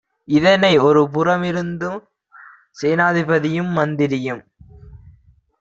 இதனை ஒரு புறமிருந்து சேனாதிபதியும் மந்திரியும்